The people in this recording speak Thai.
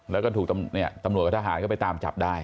แล้วก็ถูกตำรวจกับทหารไปตามจับได้